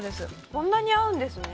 こんなに合うんですね。